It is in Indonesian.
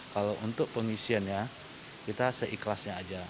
kalau untuk pengisian ya kita seikhlasnya aja